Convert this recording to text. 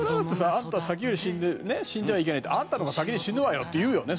「あんたは先より死んではいけない」って「あんたの方が先に死ぬわよ」って言うよね